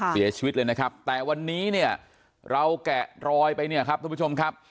เสียชีวิตเลยนะครับแต่วันนี้เนี่ยเราแกะรอยไปเนี่ยครับทุกผู้ชมครับ